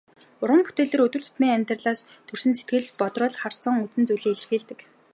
Уран бүтээлээрээ өдөр тутмын амьдралаас төрсөн сэтгэгдэл, бодрол, харсан үзсэн зүйлсээ илэрхийлдэг.